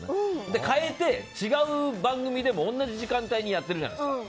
変えて、違う番組でも同じ時間帯にやってるじゃないですか。